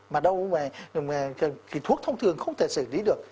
mà đau mà thì thuốc thông thường không thể xử lý được